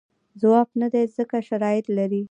ځواب نه دی ځکه شرایط لري.